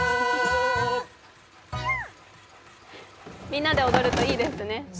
みんなで踊るといいですね。